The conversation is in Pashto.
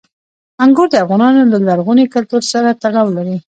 انګور د افغانانو له لرغوني کلتور سره تړاو لري.